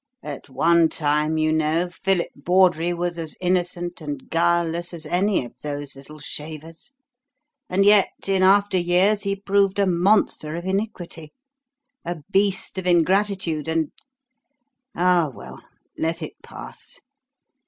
At one time, you know, Philip Bawdrey was as innocent and guileless as any of those little shavers; and yet, in after years he proved a monster of iniquity, a beast of ingratitude, and Oh, well, let it pass.